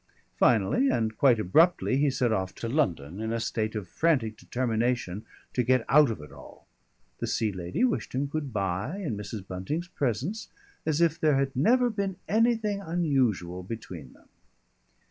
Finally, and quite abruptly, he set off to London in a state of frantic determination to get out of it all. The Sea Lady wished him good bye in Mrs. Bunting's presence as if there had never been anything unusual between them.